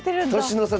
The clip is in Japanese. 年の差